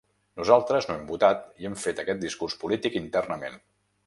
Nosaltres no hem votat i hem fet aquest discurs polític internament.